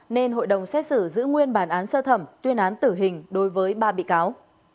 nên hội đồng xét xử giữ nguyên bản án sơ thẩm tuyên án tử hình đối với ba bị cáo